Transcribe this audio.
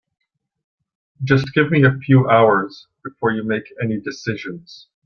Just give me a few hours before you make any decisions.